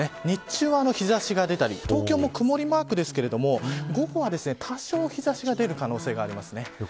日中は日差しが出たり東京も曇りマークですが午後は、多少日差しが出る可能性があります。